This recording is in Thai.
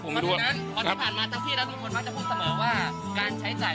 การใช้จ่ายทุกอย่างโปรดไข